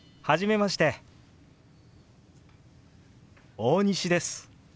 大西です。